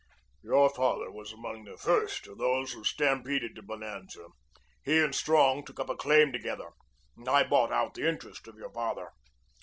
"Your father was among the first of those who stampeded to Bonanza. He and Strong took up a claim together. I bought out the interest of your father."